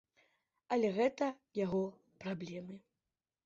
Але гэта яго праблемы.